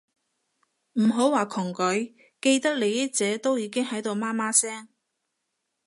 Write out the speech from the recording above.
唔好話窮鬼，既得利益者都已經喺度媽媽聲